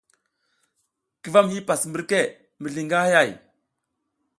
Ki vam hipas mbirke mizliy ngi hayay ?